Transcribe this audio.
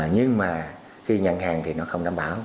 nhưng mà khi nhận hàng thì nó không đảm bảo